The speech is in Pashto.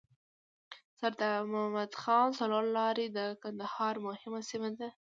سردار مدد خان څلور لاری د کندهار مهمه سیمه ده.